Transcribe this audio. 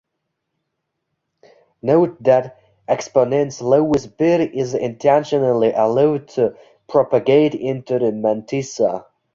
Note that the exponent's lowest bit is intentionally allowed to propagate into the mantissa.